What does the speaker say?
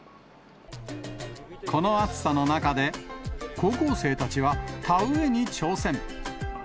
この暑さの中で、高校生たちは田植えに挑戦。